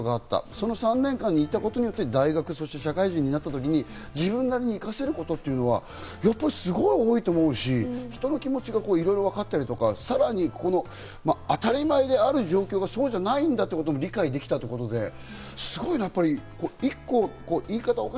その３年間があったことによって大学生活、社会人になったことによって、生かせることはすごく多いと思うし、人の気持ちがいろいろ分かったり、さらに当たり前である状況がそうじゃないんだということも理解できたということで、すごいやっぱり一個、言い方